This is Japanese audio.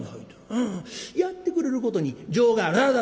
やってくれることに情がある」。